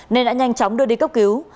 nên đã nhanh chóng đưa đi cấp cứu